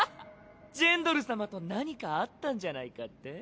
ジェンドル様と何かあったんじゃないかって？